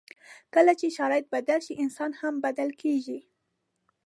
کله چې شرایط بدل شي، انسان هم بدل کېږي.